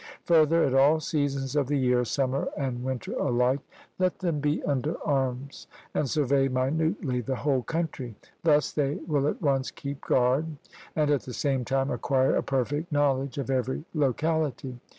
Further, at all seasons of the year, summer and winter alike, let them be under arms and survey minutely the whole country; thus they will at once keep guard, and at the same time acquire a perfect knowledge of every locality.